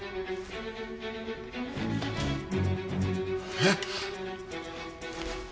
えっ！？